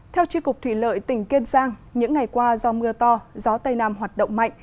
theo tri cục thủy lợi tỉnh kiên giang những ngày qua do mưa to gió tây nam hoạt động mạnh